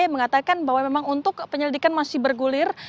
yang mengatakan bahwa memang untuk penyelidikan masih bergulir